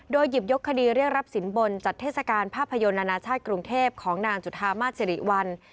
หยิบยกคดีเรียกรับสินบนจัดเทศกาลภาพยนตร์นานาชาติกรุงเทพของนางจุธามาสสิริวัล